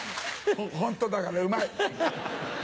ホントだからうまい！